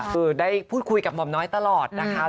คือได้พูดคุยกับหม่อมน้อยตลอดนะคะ